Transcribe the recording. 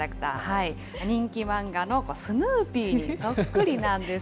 人気漫画のスヌーピーにそっくりなんです。